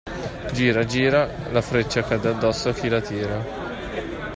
Gira gira, la freccia cade addosso a chi la tira.